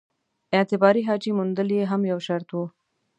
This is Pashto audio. اعتباري حاجي موندل یې هم یو شرط وو.